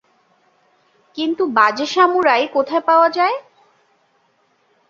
কিন্তু বাজে সামুরাই কোথায় পাওয়া যায়?